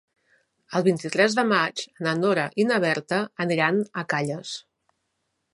El vint-i-tres de maig na Nora i na Berta aniran a Calles.